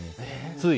つい。